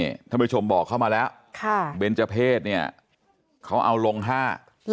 ท่านผู้ชมบอกเข้ามาแล้วค่ะเบนเจอร์เพศเนี่ยเขาเอาลงห้า